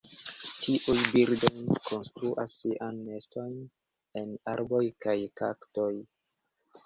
Tiuj birdoj konstruas siajn nestojn en arboj kaj kaktoj.